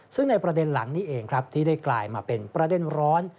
ซึ่งในประเด็นหลังนี้เองครับที่ได้กลายมาเป็นประเด็นร้อน